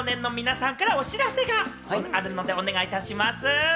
最後に美少年の皆さんからお知らせがあるのでお願いいたします。